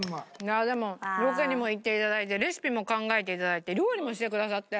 ああでもロケにも行って頂いてレシピも考えて頂いて料理もしてくださって。